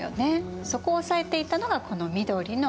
そこを押さえていたのがこの緑の魏。